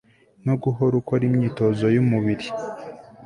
no guhora ukora imyitozo yumubiri